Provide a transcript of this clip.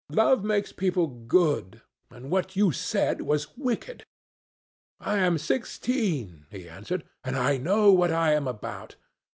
Love makes people good, and what you said was wicked." "I am sixteen," he answered, "and I know what I am about.